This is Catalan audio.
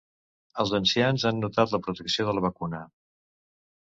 Els ancians han notat la protecció de la vacuna.